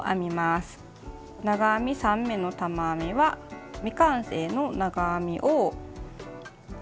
長編み３目の玉編みは未完成の長編みを３つ作って